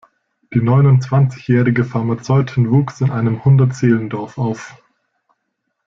Die neunundzwanzigjährige Pharmazeutin wuchs in einem Hundert-Seelen-Dorf auf.